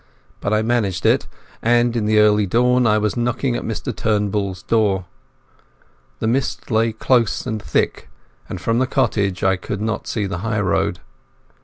But I managed it, and in the early dawn I was knocking at Mr Turnbull's door. The mist lay close and thick, and from the cottage I could not see the highroad.